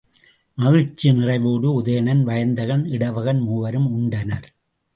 மகிழ்ச்சி நிறைவோடு உதயணன், வயந்தகன், இடவகன் மூவரும் உண்டனர்.